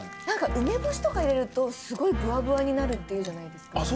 なんか梅干しとか入れるとすごいブワブワになるっていうじゃないですか。